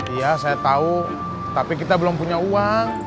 iya saya tahu tapi kita belum punya uang